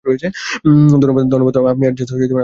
ধন্যবাদ তো আপনি আর জেস আপনার দাদিমার কাছে বড় হয়েছেন।